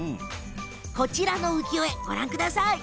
こちらの浮世絵、ご覧ください。